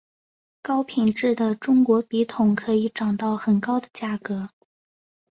高品质的中国笔筒可以涨到很高的价格。